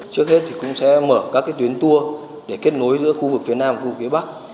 trước hết thì cũng sẽ mở các tuyến tour để kết nối giữa khu vực phía nam và phía bắc